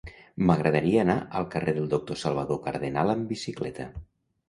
M'agradaria anar al carrer del Doctor Salvador Cardenal amb bicicleta.